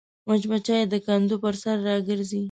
مچمچۍ د کندو پر سر راګرځي